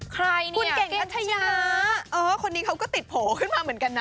ใครนี่คุณเก่งอัธยาคนนี้เขาก็ติดโผล่ขึ้นมาเหมือนกันนะ